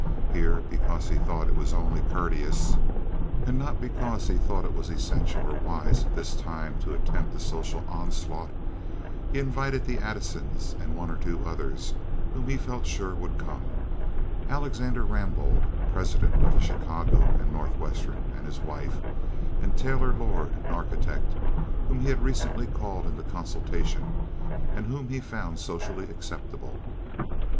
Here, because he thought it was only courteous, and not because he thought it was essential or wise at this time to attempt a social onslaught, he invited the Addisons and one or two others whom he felt sure would come—Alexander Rambaud, president of the Chicago & Northwestern, and his wife, and Taylor Lord, an architect whom he had recently called into consultation and whom he found socially acceptable.